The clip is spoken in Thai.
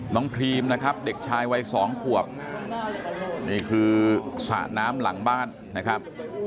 พรีมนะครับเด็กชายวัยสองขวบนี่คือสระน้ำหลังบ้านนะครับ